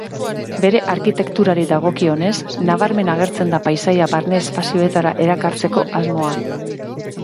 Bere arkitekturari dagokionez, nabarmen agertzen da paisaia barne-espazioetara erakartzeko asmoa.